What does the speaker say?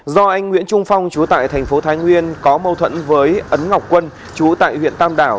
do anh nguyễn trung phong chú tại thành phố thái nguyên có mâu thuẫn với ấn ngọc quân chú tại huyện tam đảo